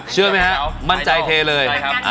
เชื่อไหมครับมั่นใจเทเลย